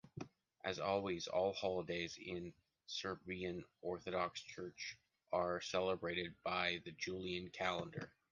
As always, all holidays in Serbian Orthodox Church are celebrated by the Julian calendar.